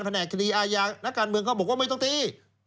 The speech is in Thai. แหนกคดีอาญานักการเมืองเขาบอกว่าไม่ต้องตี